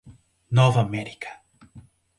Nova América